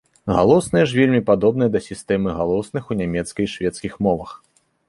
Галосныя ж вельмі падобныя да сістэмы галосных у нямецкай і шведскай мовах.